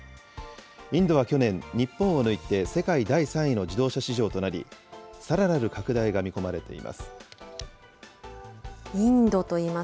インドは去年、日本を抜いて世界第３位の自動車市場となり、さらなる拡大が見込まれています。